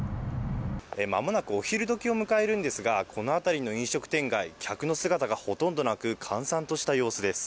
まもなくお昼どきを迎えるんですが、この辺りの飲食店街、客の姿がほとんどなく、閑散とした様子です。